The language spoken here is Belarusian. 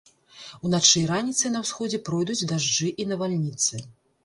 Уначы і раніцай на ўсходзе пройдуць дажджы і навальніцы.